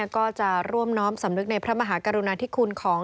ก็จะร่วมน้อมสำนึกในพระมหากรุณาธิคุณของ